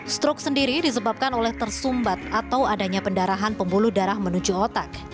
stroke sendiri disebabkan oleh tersumbat atau adanya pendarahan pembuluh darah menuju otak